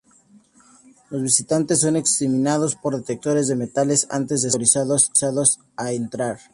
Los visitantes son examinados por detectores de metales antes de ser autorizados a entrar.